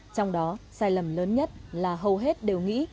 trong đó sai lầm lớn nhất là hầu hết đều nghĩ